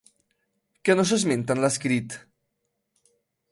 Què no s'esmenta en l'escrit?